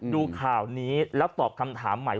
ดูข่าวนี้แล้วตอบคำถามใหม่